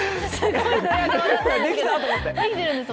できたと思って。